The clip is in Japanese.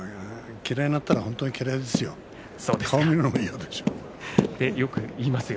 嫌いになったら本当に嫌いですよ。